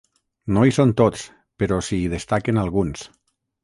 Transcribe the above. No hi són tots, però s'hi destaquen alguns.